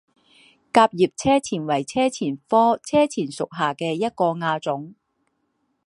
革叶车前为车前科车前属下的一个亚种。